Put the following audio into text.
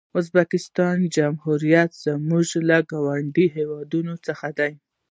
د ازبکستان جمهوریت زموږ له ګاونډیو هېوادونو څخه یو دی.